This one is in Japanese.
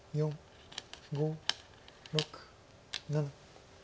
５６７。